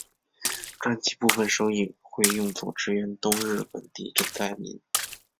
专辑部分收益会用作支援东日本地震灾民。